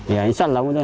ya bisa lah